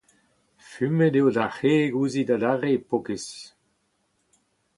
Fumet eo da wreg ouzhit adarre, paour-kaezh ?